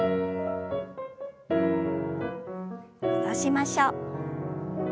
戻しましょう。